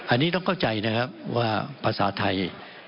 อันนี้ต้องเข้าใจนะครับว่าภาษาไทย